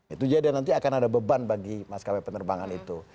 itu jadi nanti akan ada beban bagi maskapai penerbangan itu